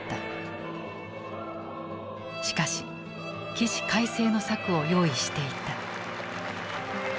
しかし起死回生の策を用意していた。